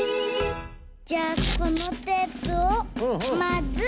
じゃあこのテープをまず。